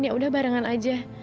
yaudah barengan aja